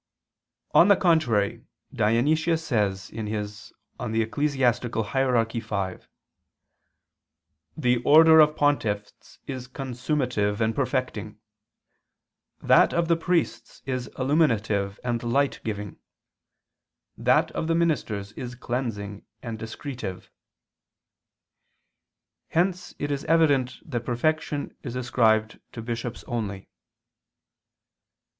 On the contrary, Dionysius says (Eccl. Hier. v): "The order of pontiffs is consummative and perfecting, that of the priests is illuminative and light giving, that of the ministers is cleansing and discretive." Hence it is evident that perfection is ascribed to bishops only.